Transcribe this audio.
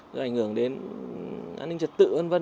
rồi ảnh hưởng đến an ninh trật tự v v